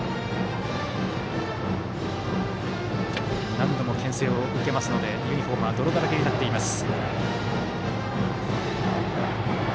何度もけん制を受けますのでユニフォームは泥だらけになっています。